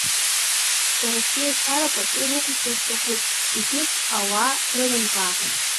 Сара сиашьара пату рықәысҵар сҭахуп, егьыпҭ ауаа рылымкаа.